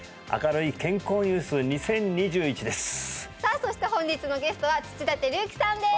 そして本日のゲストは土田晃之さんです